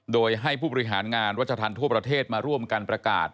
โดยให้ผู้บริหารงานวัชธรรมทั่วประเทศมาร่วมกันประกาศ